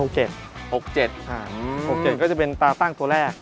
๖๗ก็จะเป็นตาตั้งตัวแรก